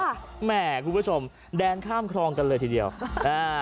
แหม่คุณผู้ชมแดนข้ามครองกันเลยทีเดียวอ่า